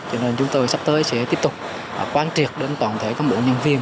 cho nên chúng tôi sắp tới sẽ tiếp tục quán triệt đến toàn thể các bộ nhân viên